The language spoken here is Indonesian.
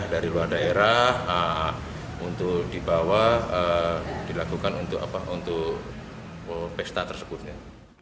dari luar daerah untuk dibawa dilakukan untuk pesta tersebut ya